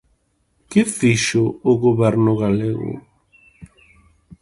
¿Que fixo o Goberno galego?